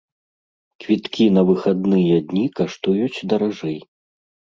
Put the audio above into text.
Квіткі на выхадныя дні каштуюць даражэй.